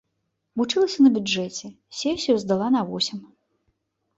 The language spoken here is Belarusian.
Вучылася на бюджэце, сесію здала на восем.